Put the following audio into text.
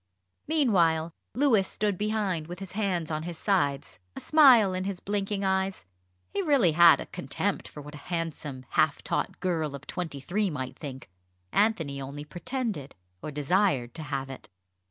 Meanwhile, Louis stood behind, with his hands on his sides, a smile in his blinking eyes. He really had a contempt for what a handsome half taught girl of twenty three might think. Anthony only pretended or desired to have it.